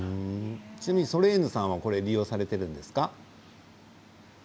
ソレーヌさんは利用されているんですか？